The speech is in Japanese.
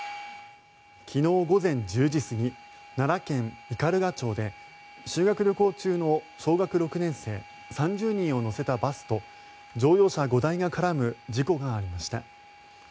昨日午前１０時過ぎ奈良県斑鳩町で修学旅行中の小学６年生３０人を乗せたバスと乗用車５台が絡む事故がありました。